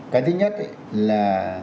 cái thứ nhất là